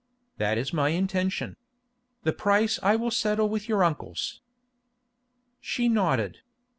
"That is my intention. The price I will settle with your uncles." She nodded.